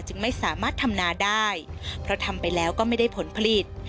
ไม่สามารถทำนาได้เพราะทำไปแล้วก็ไม่ได้ผลผลิต